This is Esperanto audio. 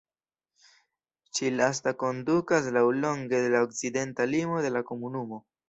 Ĉi-lasta kondukas laŭlonge de la okcidenta limo de la komunumo.